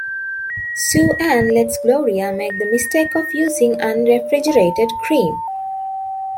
Sue Ann lets Gloria make the mistake of using unrefrigerated cream.